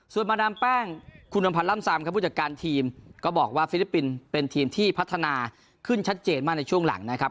ส่วนมาดามแป้งคุณอำพันธ์ล่ำซำครับผู้จัดการทีมก็บอกว่าฟิลิปปินส์เป็นทีมที่พัฒนาขึ้นชัดเจนมากในช่วงหลังนะครับ